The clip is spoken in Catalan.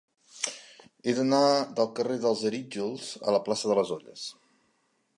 He d'anar del carrer dels Arítjols a la plaça de les Olles.